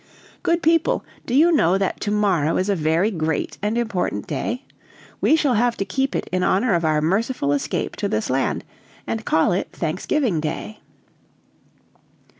"Good people, do you know that to morrow is a very great and important day? We shall have to keep it in honor of our merciful escape to this land, and call it Thanksgiving Day."